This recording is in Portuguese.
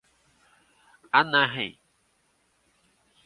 Anahy